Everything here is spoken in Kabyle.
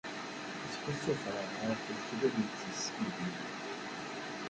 Yettuḥasef ɣef lekdeb i yeskaddeb.